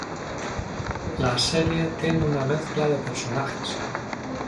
La serie tiene una mezcla de personajes.